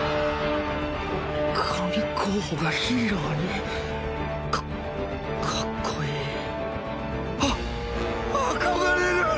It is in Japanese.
神候補がヒーローにカカッコいいあ憧れる！